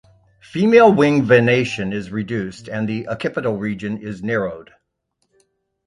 Female wing venation is reduced and the occipital region is narrowed.